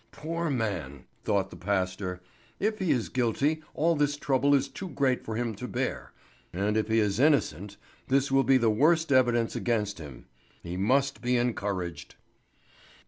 "Poor man!" thought the pastor. "If he is guilty, all this trouble is too great for him to bear; and if he is innocent, this will be the worst evidence against him. He must be encouraged."